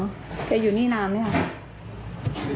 เกษียณอยู่นี่นานไหมครับ